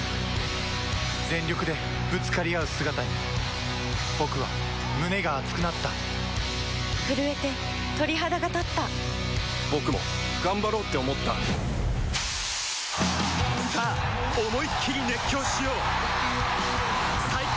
全力でぶつかり合う姿に僕は胸が熱くなった震えて鳥肌がたった僕も頑張ろうって思ったさあ思いっきり熱狂しよう最高の渇きにＤＲＹ